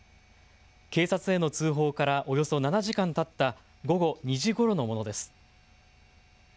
警察への通報からおよそ７時間たった午後２時ごろのものです。